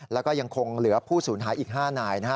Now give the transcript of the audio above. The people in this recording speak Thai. แล้วก็ยังคงเหลือผู้สูญหายอีก๕นายนะฮะ